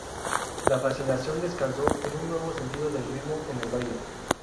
La fascinación descansó en un nuevo sentido del ritmo en el baile.